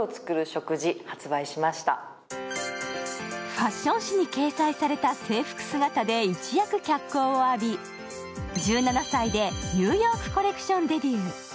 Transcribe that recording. ファッション誌に掲載された制服姿で一躍脚光を浴び、１７歳でニューヨークコレクションデビュー。